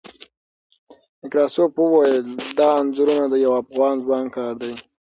نکراسوف وویل، دا انځورونه د یوه افغان ځوان کار دی.